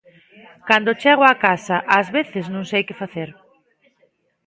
Cando chego a casa, ás veces non sei que facer.